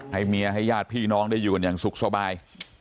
ให้เมียให้ญาติพี่น้องได้อยู่กันอย่างสุขสบาย